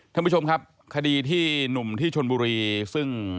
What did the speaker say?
ท่านผู้ชมครับคดีที่หนุ่มที่ชนบุรีซึ่ง